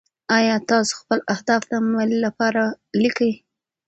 ایا تاسو خپل اهداف د عمل لپاره لیکلي؟